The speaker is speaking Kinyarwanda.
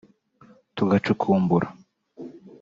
tugacukumbura